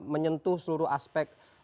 menyentuh seluruh aspek